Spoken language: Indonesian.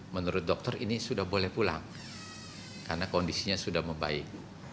menurut dokter ini sudah boleh pulang karena kondisinya sudah membaik